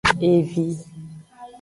Evi.